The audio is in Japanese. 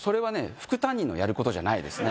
副担任のやることじゃないですね